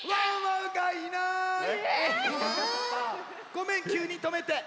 ごめんきゅうにとめて。